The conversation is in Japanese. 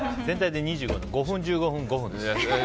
全体で２５分５分、１５分、５分ですから。